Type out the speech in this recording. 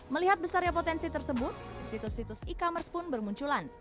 melihat besarnya potensi tersebut situs situs e commerce pun bermunculan